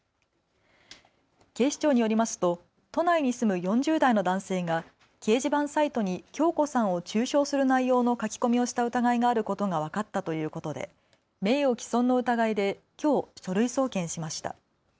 警視庁によりますと都内に住む４０代の男性が掲示板サイトに響子さんを中傷する内容の書き込みをした疑いがあることが分かったということで名誉毀損の疑いできょう書類送検しました。